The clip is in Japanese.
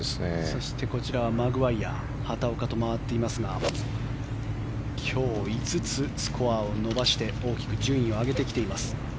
そしてこちらはマグワイヤ畑岡と回っていますが今日、５つスコアを伸ばして大きく順位を上げてきています。